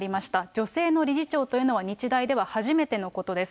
女性の理事長というのは、日大では初めてのことです。